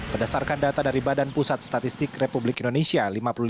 berdasarkan data dari badan pusat statistik republik indonesia